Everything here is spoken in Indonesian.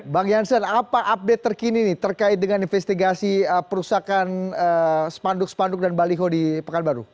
bang jansen apa update terkini terkait dengan investigasi perusahaan spanduk spanduk dan baliho di pekanbaru